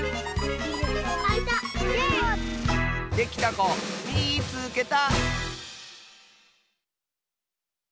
できたこみいつけた！